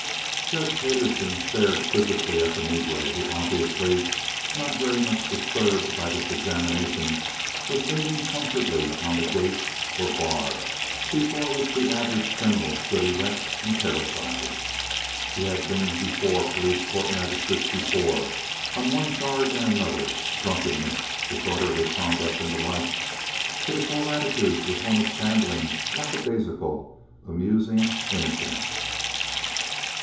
Judge Payderson stared quizzically at the negro, who, obviously not very much disturbed by this examination, was leaning comfortably on the gate or bar before which the average criminal stood erect and terrified. He had been before police court magistrates before on one charge and another—drunkenness, disorderly conduct, and the like—but his whole attitude was one of shambling, lackadaisical, amusing innocence.